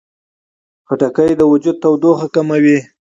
خټکی د وجود تودوخه کموي.